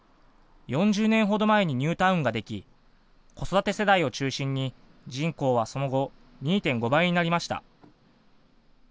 ４０年ほど前にニュータウンができ子育て世代を中心に人口はその後、２．５倍になりました。